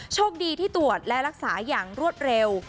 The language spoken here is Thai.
โชคดีที่ตรวจและรักษาอย่างรวดเร็ว